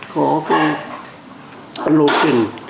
có cái lô trình